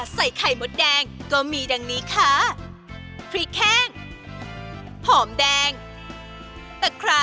ใส่อะไรก่อนคะ